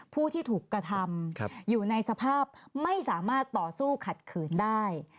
ผู้ที่ถูกกระทำอยู่ในสภาพไม่สามารถต่อสู้ขัดขืนได้